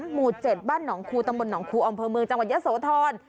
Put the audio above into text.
หมู่๗บ้านหนองคูตำบลหนองคูอำเภอเมืองจังหวัดเยอะโสธร